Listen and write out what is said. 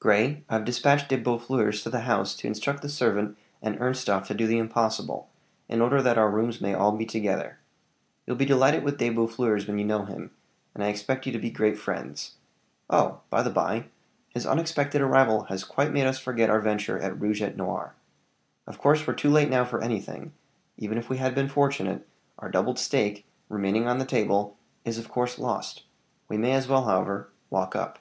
"Grey, I've dispatched De Boeffleurs to the house to instruct the servant and Ernstorff to do the impossible, in order that our rooms may be all together. You'll be delighted with De Boeffleurs when you know him, and I expect you to be great friends. Oh! by the by, his unexpected arrival has quite made us forget our venture at rouge et noir. Of course we're too late now for anything; even if we had been fortunate, our doubled stake, remaining on the table, is of course lost; we may as well, however, walk up."